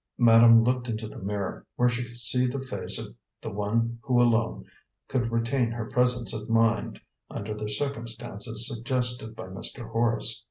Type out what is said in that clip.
Madame looked into the mirror, where she could see the face of the one who alone could retain her presence of mind under the circumstances suggested by Mr. Horace.